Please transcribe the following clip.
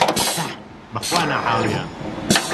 تەح، بەخوا ناحاڵییە